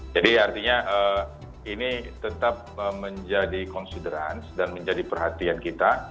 jadi artinya ini tetap menjadi consideration dan menjadi perhatian kita